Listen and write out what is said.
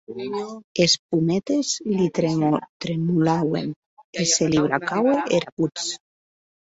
Es pometes li tremolauen, e se li bracaue era votz.